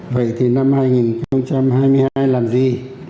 vậy thì năm hai nghìn hai mươi hai làm gì